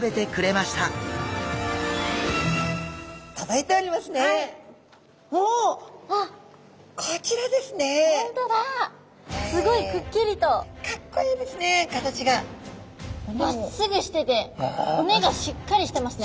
まっすぐしてて骨がしっかりしてますね。